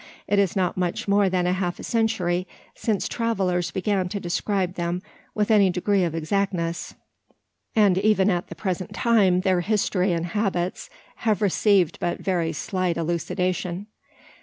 It is not much more than half a century since travellers began to describe them with any degree of exactness; and even at the present time their history and habits have received but very slight elucidation.